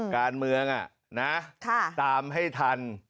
การเมืองตามให้ทัน